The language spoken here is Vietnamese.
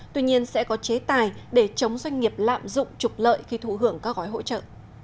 tuy nhiên sẽ có chế tài để chống doanh nghiệp lạm dụng trục lợi khi thụ hưởng các gói hỗ trợ